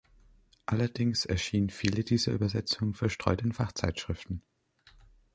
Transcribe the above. Allerdings erschienen viele dieser Übersetzungen verstreut in Fachzeitschriften.